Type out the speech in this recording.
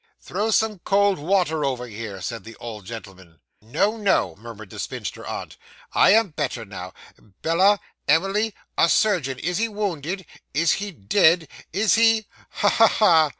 'Throw some cold water over her,' said the old gentleman. 'No, no,' murmured the spinster aunt; 'I am better now. Bella, Emily a surgeon! Is he wounded? Is he dead? Is he Ha, ha, ha!